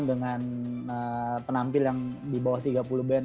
dengan penampil yang di bawah tiga puluh band